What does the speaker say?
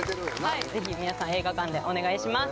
はいぜひ皆さん映画館でお願いします。